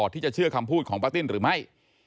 ที่จะเชื่อคำพูดของป้าติ้นหรือไม่